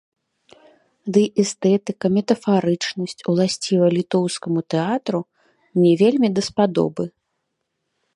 Дый эстэтыка, метафарычнасць, уласцівая літоўскаму тэатру, мне вельмі даспадобы.